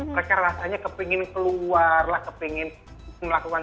mereka rasanya kepingin keluar lah kepengen melakukan